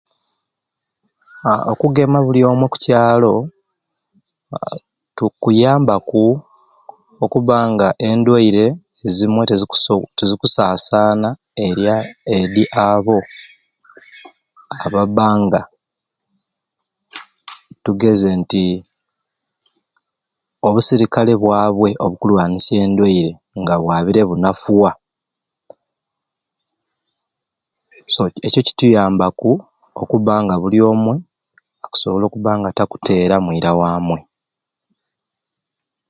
Aaa okugema buli omwei oku kyalo as kuyambaku okuba nga endwaire zimwei teziku tezikusasana erya edi abo aba nga tugeze nti obusirikale bwabwe obukulwanisya endweire nga bwabire bunafuwa so ekyo kituyambaku okuba nga buli omwei okusobola okuba nga takutera mwira wamwei